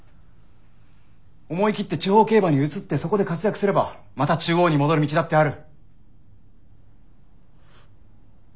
思い切って地方競馬に移ってそこで活躍すればまた中央に戻る道だってある。